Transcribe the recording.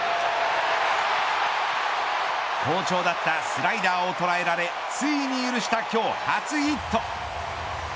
好調だったスライダーを捉えられついに許した、今日、初ヒット。